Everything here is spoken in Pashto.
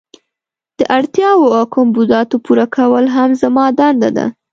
د اړتیاوو او کمبوداتو پوره کول هم زما دنده ده.